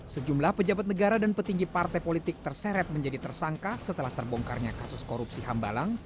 sejumlah pejabat negara dan petinggi partai politik terseret menjadi tersangka setelah terbongkarnya kasus korupsi hambalang